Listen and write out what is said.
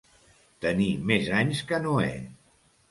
Tenir més anys que Noè.